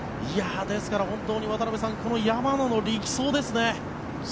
ですから本当に渡辺さん山野の力走ですね。